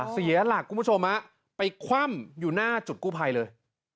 เสียหลักคุณผู้ชมฮะไปคว่ำอยู่หน้าจุดกู้ภัยเลย